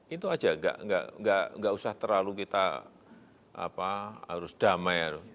itu saja enggak usah terlalu kita harus damai